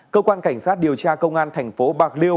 cơ quan cảnh sát điều tra công an thành phố bạc liêu